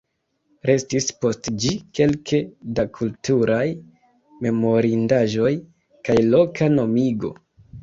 Restis post ĝi kelke da kulturaj memorindaĵoj kaj loka nomigo.